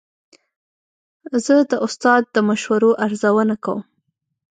زه د استاد د مشورو ارزونه کوم.